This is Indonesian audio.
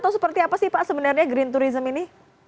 atau seperti apa sih pak sebenarnya green tourism ini